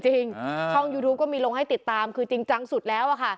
ช่องยูทูปก็มีลงให้ติดตามคือจริงจังสุดแล้วอะค่ะ